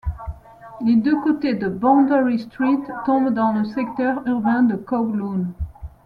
Les deux côtés de Boundary Street tombent dans le secteur urbain de Kowloon.